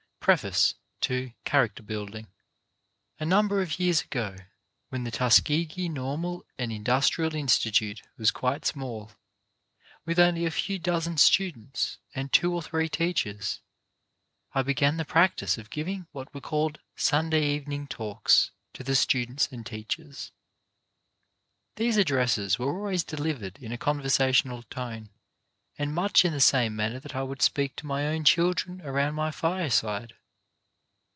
PREFACE A number of years ago, when the Tuskegee Normal and Industrial Institute was quite small, with only a few dozen students and two or three teachers, I began the practice of giving what were called Sunday Evening Talks to the students and teachers. These addresses were always delivered in a conversational tone and much in the same manner that I would speak to my own children around my fireside.